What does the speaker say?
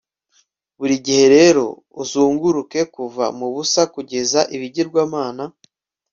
Buri gihe rero uzunguruke kuva mubusa kugeza ibigirwamana